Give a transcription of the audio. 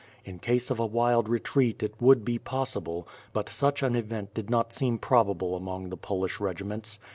In case of a wild retreat, it would be possible, l)ut such an event did not seem probable among the Polish regiments.